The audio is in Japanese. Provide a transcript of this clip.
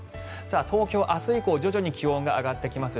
東京、明日以降徐々に気温が上がってきます。